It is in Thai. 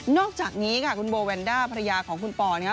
อกจากนี้ค่ะคุณโบแวนด้าภรรยาของคุณปอนะครับ